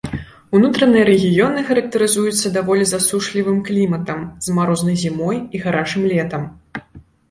Унутраныя рэгіёны характарызуюцца даволі засушлівым кліматам з марознай зімой і гарачым летам.